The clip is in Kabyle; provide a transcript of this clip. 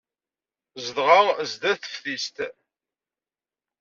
Zedɣen sdat teftist.